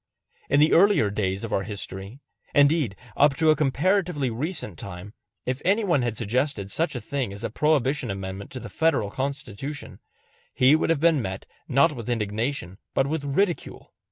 In the earlier days of our history indeed up to a comparatively recent time if any one had suggested such a thing as a Prohibition amendment to the Federal Constitution, he would have been met not with indignation but with ridicule.